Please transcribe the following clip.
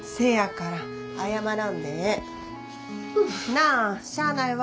なあしゃあないわ。